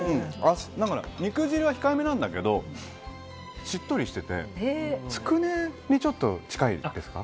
肉汁は控えめなんだけどしっとりしててつくねにちょっと近いですか？